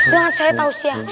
jangan saya tausia